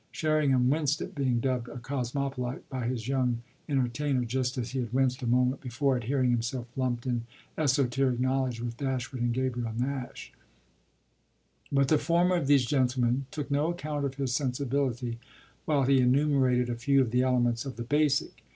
Sherringham winced at being dubbed a "cosmopolite" by his young entertainer, just as he had winced a moment before at hearing himself lumped in esoteric knowledge with Dashwood and Gabriel Nash; but the former of these gentlemen took no account of his sensibility while he enumerated a few of the elements of the "basic."